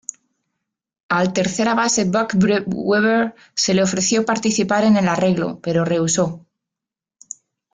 Al tercera base Buck Weaver se le ofreció participar en el arreglo, pero rehusó.